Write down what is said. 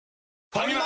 ファミマ！